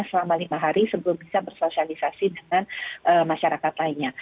selama lima hari sebelum bisa bersosialisasi dengan masyarakat lainnya